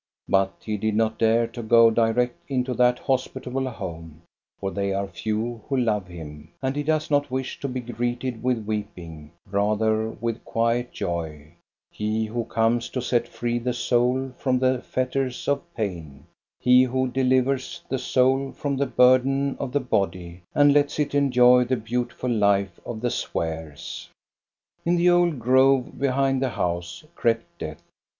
But he did not dare to go direct into that hospitable home, for they are few who love him, and he does not wish to be greeted with weeping, rather with quiet joy, — he who comes to set free the soul from the fetters of pain, he who delivers the soul from the burden of the body and lets it enjoy the beautiful life of the spheres. Into the old grove behind the house, crept Death.